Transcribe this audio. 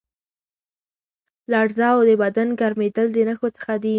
لړزه او د بدن ګرمېدل د نښو څخه دي.